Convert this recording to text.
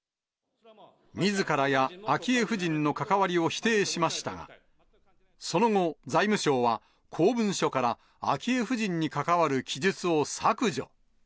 みずからや昭恵夫人の関わりを否定しましたが、その後、財務省は公文書から昭恵夫人に関わる記述を削除。